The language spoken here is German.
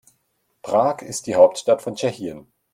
Prag ist die Hauptstadt von Tschechien.